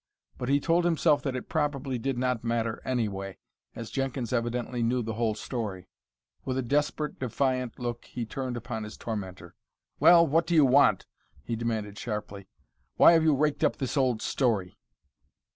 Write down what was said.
But he told himself that it probably did not matter anyway, as Jenkins evidently knew the whole story. With a desperate, defiant look he turned upon his tormentor. "Well, what do you want?" he demanded sharply. "Why have you raked up this old story?"